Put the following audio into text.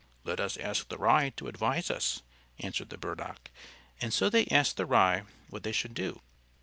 "Let us ask the Rye to advise us," answered the Burdock. And so they asked the Rye what they should do.